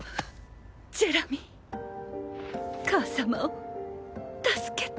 ジェラミー母様を助けて！